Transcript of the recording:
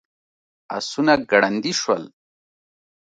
آسونه ګړندي شول.